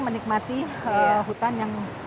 menikmati hutan yang